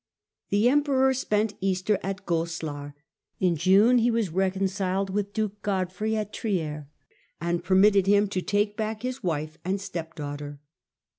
The emperor spent Easter at Goslar. In June he was reconciled with duke Godfrey at Trier, and per mitted him to take back his wife and stepdaughter.